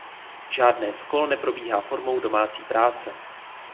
Žádné z kol neprobíhá formou domácí práce.